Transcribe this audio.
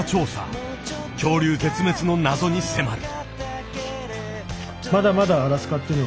恐竜絶滅の謎に迫る。